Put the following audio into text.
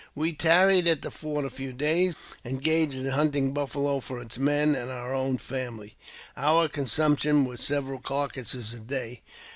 We tarried at the fort a few days, engaged in hunting buffalo for its men and our own family. Our consmiiption was several carcasses a day.